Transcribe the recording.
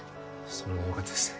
それはよかったですね